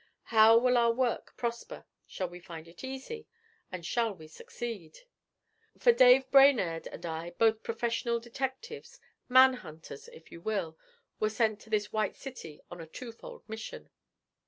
How will our work prosper? Shall we find it easy? and shall we succeed?' For Dave Brainerd and I, both professional detectives, 'man hunters,' if you will, were sent to this White City on a twofold mission.